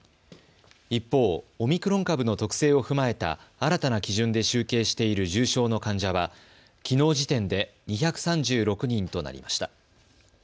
一方、オミクロン株の特性を踏まえた新たな基準で集計している重症の患者はきのう時点で２３６人となりました。